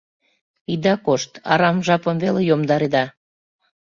Ида кошт, арам жапым веле йомдареда.